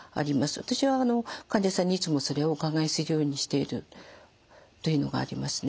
私は患者さんにいつもそれをお伺いするようにしているというのがありますね。